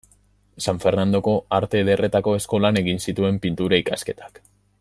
San Fernandoko Arte Ederretako eskolan egin zituen pinturako ikasketak.